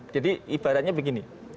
jadi ibaratnya begini